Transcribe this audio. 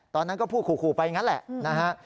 ตอนนั้นก็พูดขู่ไปอย่างนั้นแหละนะฮะ